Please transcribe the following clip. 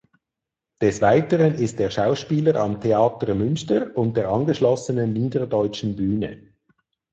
Des Weiteren ist er Schauspieler am Theater Münster und der angeschlossenen Niederdeutschen Bühne.